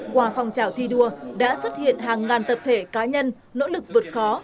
qua phòng trào thi đua đã xuất hiện hàng ngàn tập thể cá nhân nỗ lực vượt khó